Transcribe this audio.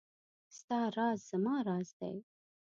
ستا راز زما راز دی .